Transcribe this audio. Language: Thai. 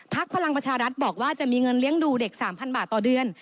พลังประชารัฐบอกว่าจะมีเงินเลี้ยงดูเด็ก๓๐๐บาทต่อเดือน